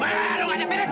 baru aja beres